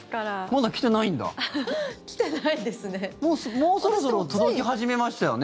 もうそろそろ届き始めましたよね？